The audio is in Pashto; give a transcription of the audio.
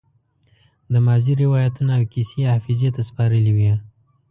د ماضي روايتونه او کيسې يې حافظې ته سپارلې وي.